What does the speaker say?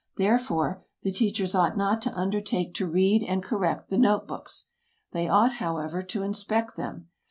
Therefore, the teachers ought not to undertake to read and correct the note books. They ought, however, to inspect them.